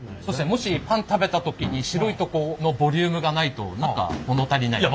もしパン食べた時に白いとこのボリュームがないと何か物足りない。